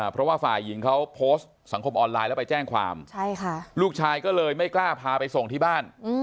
เพราะว่าฝ่ายหญิงเขาโพสต์สังคมออนไลน์แล้วไปแจ้งความลูกชายก็เลยไม่กล้าพาไปส่งที่บ้าน